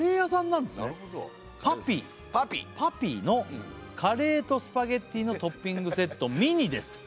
なるほど「パピーのカレーとスパゲティのトッピングセットミニです」